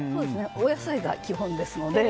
お野菜が基本ですので。